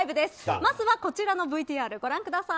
まずは、こちらのＶＴＲご覧ください。